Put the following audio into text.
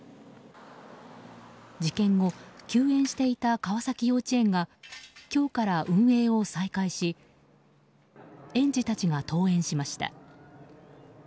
事件後、休園していた川崎幼稚園が今日から運営を再開し園児たちが登園しました。